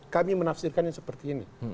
kami menafsirkan yang seperti ini